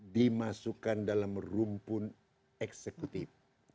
dimasukkan dalam rumpun eksekutif